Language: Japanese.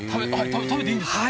食べていいんですか？